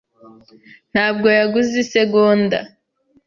ntabwo yaguze isegonda.